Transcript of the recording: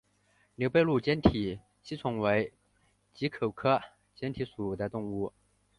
牛背鹭坚体吸虫为棘口科坚体属的动物。